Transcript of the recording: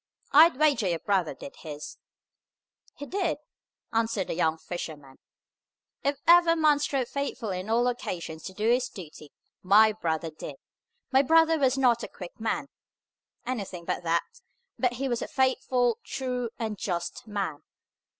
I'd wager your brother did his!" "He did!" answered the young fisherman. "If ever man strove faithfully on all occasions to do his duty, my brother did. My brother was not a quick man (anything but that), but he was a faithful, true, and just man.